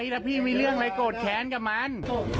ตรงนั้นลงค่ะแค่นั้น